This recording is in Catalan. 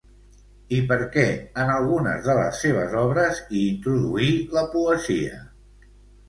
I per què en algunes de les seves obres hi introduí la poesia?